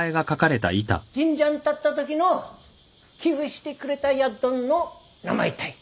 神社ん建ったときの寄付してくれたやっどんの名前たい。